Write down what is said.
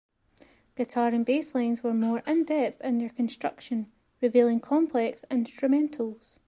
Guitar and bass lines were more in-depth in their construction, revealing complex instrumentals.